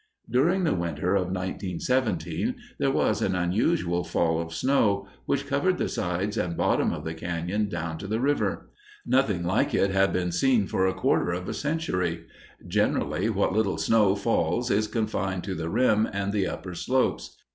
During the winter of 1917 there was an unusual fall of snow, which covered the sides and bottom of the cañon down to the river. Nothing like it had been seen for a quarter of a century. Generally, what little snow falls is confined to the rim and the upper slopes.